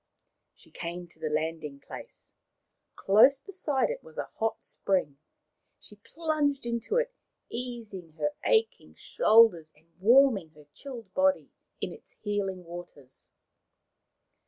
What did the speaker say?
She came to the landing place. Close beside it was a hot spring. She plunged into it, easing her aching shoulders and warming her chilled body in its healing waters.